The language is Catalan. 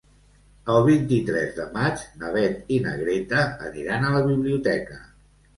El vint-i-tres de maig na Beth i na Greta aniran a la biblioteca.